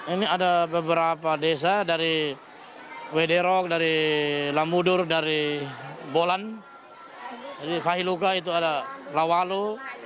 ini ada beberapa desa dari wederok dari lamudur dari bolan dari fahiluka itu ada lawalu